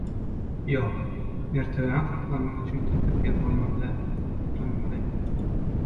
„Ýok. Mertebäňi saklamak üçin tekepbir bolmaly däl – utanmaly.